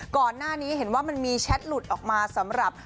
ก่อนหน้านี้เห็นว่ามันมีแชทหลุดออกมาสำหรับ